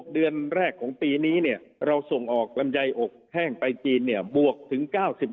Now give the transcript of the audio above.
เดือนแรกของปีนี้เนี่ยเราส่งออกลำไยอกแห้งไปจีนเนี่ยบวกถึง๙๕